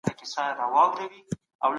هغه بيت چي مي خوښ سو په ياد مي کړ.